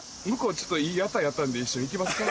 ちょっといい屋台あったんで一緒に行きますか？